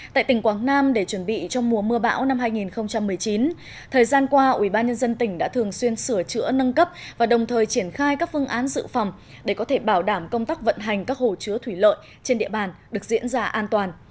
tại tỉnh quảng nam để chuẩn bị cho mùa mưa bão năm hai nghìn một mươi chín thời gian qua ubnd tỉnh đã thường xuyên sửa chữa nâng cấp và đồng thời triển khai các phương án dự phòng để có thể bảo đảm công tác vận hành các hồ chứa thủy lợi trên địa bàn được diễn ra an toàn